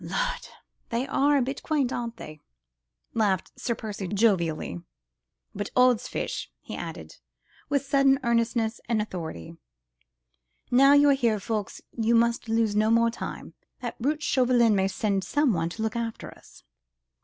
"Lud! they are a bit quaint, ain't they?" laughed Sir Percy, jovially. "But, odd's fish!" he added, with sudden earnestness and authority, "now you are here, Ffoulkes, we must lose no more time: that brute Chauvelin may send some one to look after us."